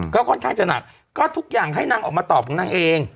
ก็ค่อนข้างจะหนักก็ทุกอย่างให้นางออกมาตอบของนางเอง